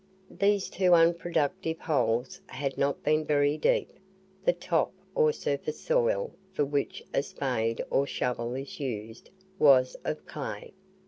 These two unproductive holes had not been very deep. The top, or surface soil, for which a spade or shovel is used, was of clay.